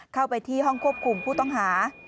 เข้าไปที่ห้องควบคุมผู้ต้องหา